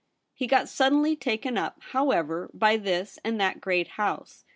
He got suddenly taken up, how ever, by this and that great house.